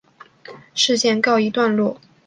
事件告一段落。